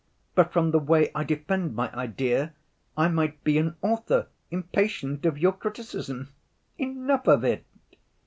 But from the way I defend my idea I might be an author impatient of your criticism. Enough of it."